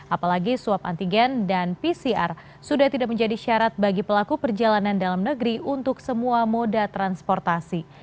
apalagi swab antigen dan pcr sudah tidak menjadi syarat bagi pelaku perjalanan dalam negeri untuk semua moda transportasi